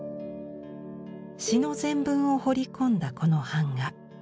詩の全文を彫り込んだこの板画。